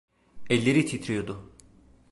Elleri titriyordu.